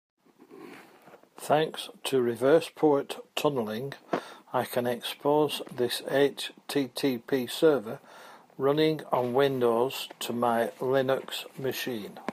Thanks to reverse port tunneling, I can expose this HTTP server running on Windows to my Linux machine.